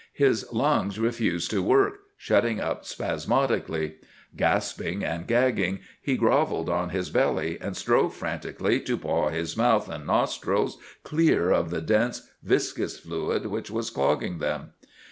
His lungs refused to work, shutting up spasmodically. Gasping and gagging, he grovelled on his belly and strove frantically to paw his mouth and nostrils clear of the dense, viscous fluid which was clogging them.